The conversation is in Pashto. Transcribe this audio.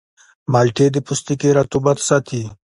مالټې د پوستکي رطوبت ساتي.